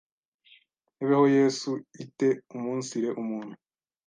hebeho Yesu iteumunsire umuntu